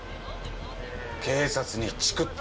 警察にチクった。